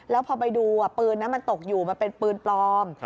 แล้วพอไปดูปืนนั้นมันตกอยู่มันเป็นปืนปลอม